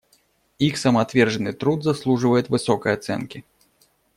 Их самоотверженный труд заслуживает высокой оценки.